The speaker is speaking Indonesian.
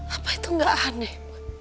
apa itu gak aneh